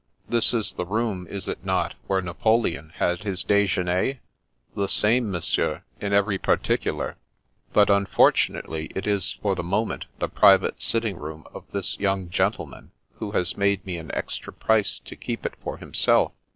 This is the room, is it not, where Napoleon had his dijeunerf " "The same. Monsieur, in every particular. But unfortunately, it is for the moment the private sit ting room of this young gentleman, who has made me an extra price to keep it for himself."